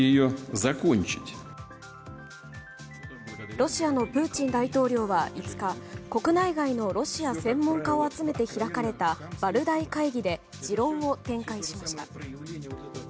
ロシアのプーチン大統領は５日国内外のロシア専門家を集めて開かれたバルダイ会議で持論を展開しました。